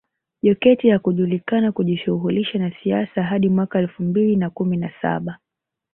Jokate hakujulikana kujishughulisha na siasa hadi mwaka elfu mbili na kumi na saba